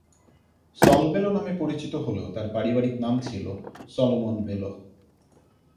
সল Bellow নামে পরিচিত হলেও তার পারিবারিক নাম ছিলো সলোমন বেলো।